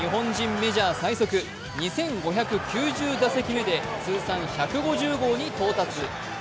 メジャー最速２５９０打席目で通算１５０号に到達。